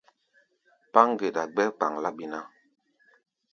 Páŋ geɗa gbɛ́ kpaŋ-láɓi ná.